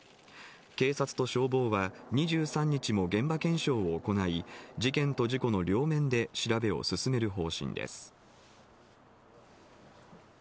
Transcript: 警察と消防は、２３日も現場検証を行い、事件と事故の両面で調べを進める方針です。